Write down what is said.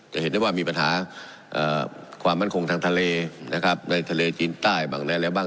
จะเห็นได้ว่ามีปัญหาความมั่นคงทางทะเลนะครับในทะเลจีนใต้บ้างอะไรบ้าง